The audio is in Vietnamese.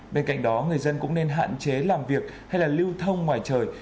bên cạnh đó người dân cũng nên hạn chế làm việc hay là lưu thông ngoài trời